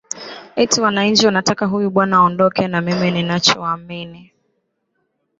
ati wananchi wanataka huyu bwana aondoke na mimi ninachoamini